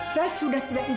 saya sudah tidak ijinkan